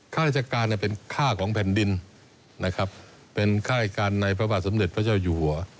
ข้าราชการเป็นค่าของแผ่นดินนะครับเป็นค่าราชการในพระบาทสมเด็จพระเจ้าอยู่หัว